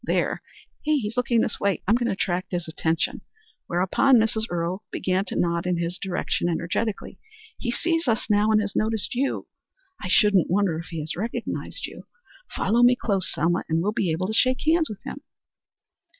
There! He's looking this way. I'm going to attract his attention." Whereupon Mrs. Earle began to nod in his direction energetically. "He sees us now, and has noticed you. I shouldn't wonder if he has recognized you. Follow me close, Selma, and we'll be able to shake hands with him."